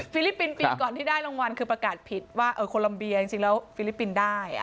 ลิปปินส์ปีก่อนที่ได้รางวัลคือประกาศผิดว่าโคลัมเบียจริงแล้วฟิลิปปินส์ได้